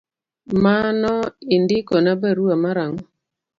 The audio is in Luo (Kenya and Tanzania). Mano indikona barua mar ang’o?